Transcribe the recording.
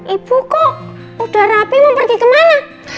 ibu kok udah rapi mau pergi kemana